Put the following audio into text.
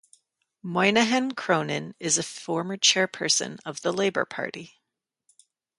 Moynihan-Cronin is a former Chairperson of the Labour Party.